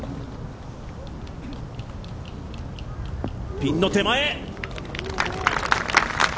ピンの手前。